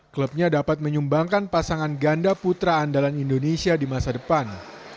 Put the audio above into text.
klubnya dapat menyumbangkan pasangan ganda putra andalan indonesia di masa depan